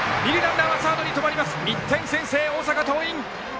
１点先制、大阪桐蔭！